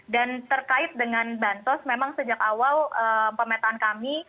dan terkait dengan bansos memang sejak awal pemetaan kami